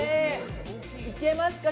いけますか。